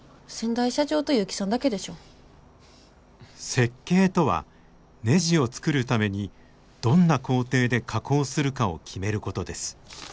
設計とはねじを作るためにどんな工程で加工するかを決めることです。